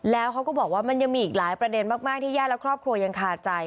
แล้วเขาก็บอกว่ามันยังมีอีกหลายประเด็นมากที่ญาติและครอบครัวยังคาใจ